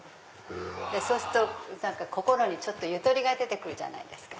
そうすると心にちょっとゆとりが出てくるじゃないですか。